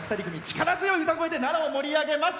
力強い声で奈良を盛り上げます。